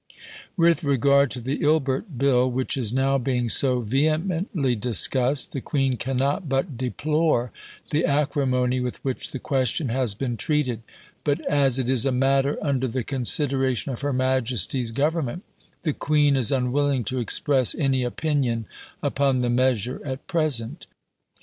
With regard to the "Ilbert Bill" which is now being so vehemently discussed, The Queen cannot but deplore the acrimony with which the question has been treated; but as it is a matter under the consideration of Her Majesty's Government, The Queen is unwilling to express any opinion upon the measure at present.